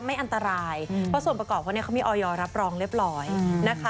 ไม่อันตรายเพราะส่วนประกอบเขาเนี่ยเขามีออยอร์รับรองเรียบร้อยนะคะ